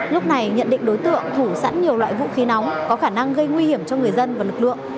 lúc này nhận định đối tượng thủ sẵn nhiều loại vũ khí nóng có khả năng gây nguy hiểm cho người dân và lực lượng